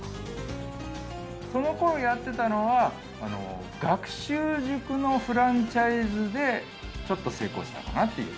その頃やってたのは学習塾のフランチャイズでちょっと成功したからっていう。